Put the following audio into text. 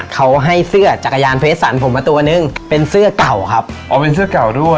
เขาให้เสื้อจักรยานเฟสสันผมมาตัวนึงเป็นเสื้อเก่าครับอ๋อเป็นเสื้อเก่าด้วย